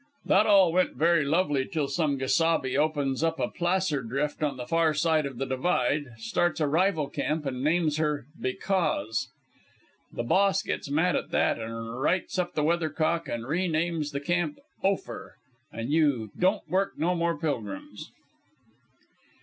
"That all went very lovely till some gesabe opens up a placer drift on the far side the divide, starts a rival camp, an' names her Because. The Boss gets mad at that, and rights up the weathercock, and renames the camp Ophir, and you don't work no more pilgrims.